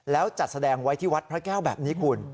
แล้วจัดแสดงไว้ที่วัดพระแก้วแบบนี้คุณ